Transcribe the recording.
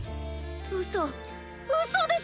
うそうそでしょ！？